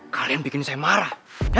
kalian bikin saya marah